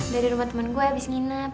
dari rumah temen gue abis nginep